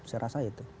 saya rasa itu